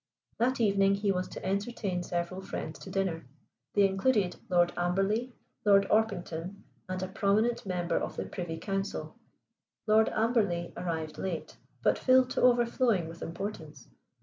That evening he was to entertain several friends to dinner. They included Lord Amberley, Lord Orpington, and a prominent member of the Privy Council, Lord Amberley arrived late, but filled to overflowing with importance.